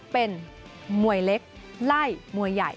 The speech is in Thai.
เป็นมวยเล็กไล่มวยใหญ่